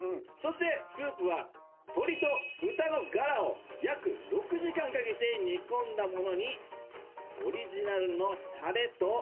そしてスープは鶏と豚のガラを約６時間かけて煮込んだ物にオリジナルのたれと。